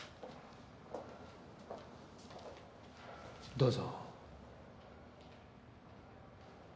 どうぞ。